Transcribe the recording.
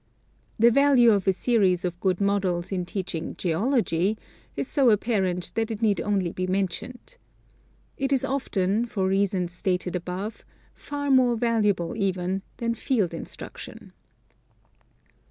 The value of a series of good models in teaching geology is so apparent that it need only be mentioned. It is often, for reasons stated above, far more valuable eveUj than field instruc tion.